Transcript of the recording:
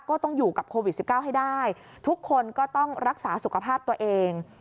ก็ต้องอยู่กับโควิด๑๙ให้ได้ทุกคนก็ต้องรักษาสุขภาพตัวเอง